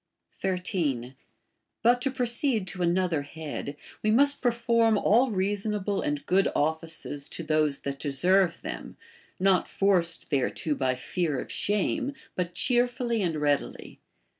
13. But to proceed to another head, we must perform all reasonable and good offices to those that deserve them, not forced thereto by fear of shame, but cheerfully and readily.